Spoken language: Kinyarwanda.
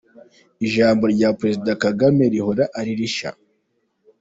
Ijambo rya Perezida Kagame rihora ari rishya